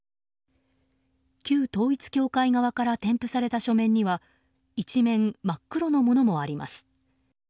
旧統一教会側から添付された書面には一面真っ黒のものもあります。